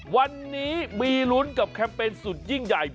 วันนี้มีลุ้นกับแคมเปญสุดยิ่งใหญ่